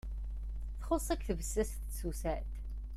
Txus-ak tbessast d tsusat?